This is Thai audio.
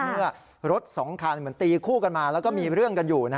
เมื่อรถสองทานตีคู่กันมาและมีเรื่องกันอยู่